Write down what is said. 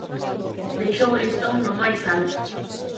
Deixou o listón no máis alto.